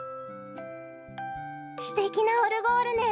すてきなオルゴールね。